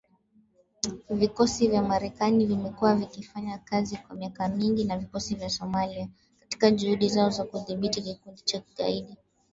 Vikosi vya Marekani vimekuwa vikifanya kazi kwa miaka mingi na vikosi vya Somalia katika juhudi zao za kudhibiti kikundi cha kigaidi.